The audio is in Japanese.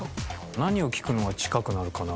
何を聞くのが近くなるかな？